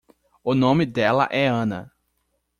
O nome dela é Ana.